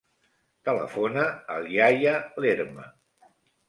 Telefona al Yahya Lerma.